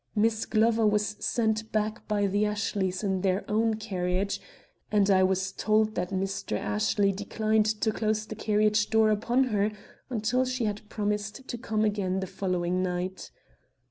Miss Glover was sent back by the Ashleys in their own carriage and I was told that Mr. Ashley declined to close the carriage door upon her till she had promised to come again the following night.